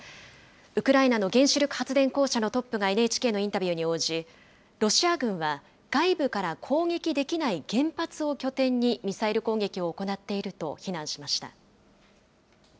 ウクライナの原子力発電公社のトップがＮＨＫのインタビューに応じ、ロシア軍は外部から攻撃できない原発を拠点にミサイル攻撃を行っていると非難しました。